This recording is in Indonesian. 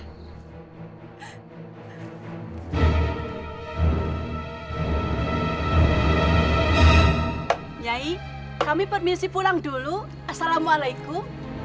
yai kami permisi pulang dulu assalamualaikum